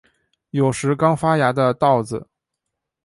有时刚发芽的稻子